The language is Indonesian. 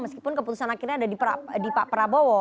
meskipun keputusan akhirnya ada di pak prabowo